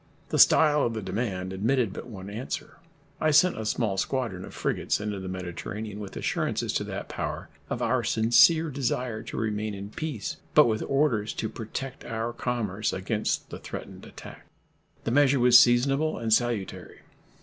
The style of the demand admitted but one answer. I sent a small squadron of frigates into the Mediterranean, with assurances to that power of our sincere desire to remain in peace, but with orders to protect our commerce against the threatened attack. The measure was seasonable and salutary.